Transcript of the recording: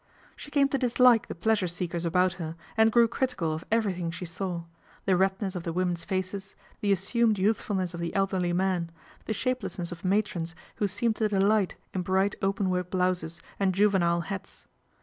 She came to dislike the pleasure seekers about her and grew critical of everything she saw, the redness of the women's faces, the assumed youth fulness of the elderly men, the shapelessness of matrons who seemed to delight in bright open work blouses and juvenile hats.